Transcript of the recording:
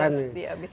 bisa setengah dari